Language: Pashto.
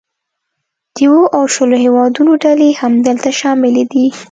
د اوو او شلو هیوادونو ډلې هم دلته شاملې دي